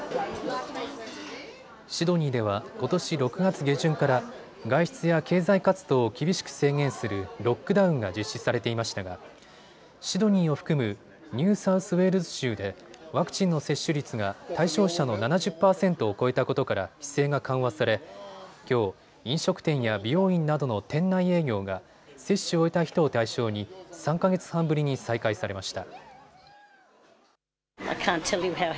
シドニーではことし６月下旬から外出や経済活動を厳しく制限するロックダウンが実施されていましたがシドニーを含むニューサウスウェールズ州でワクチンの接種率が対象者の７０％を超えたことから規制が緩和されきょう、飲食店や美容院などの店内営業が接種を終えた人を対象に３か月半ぶりに再開されました。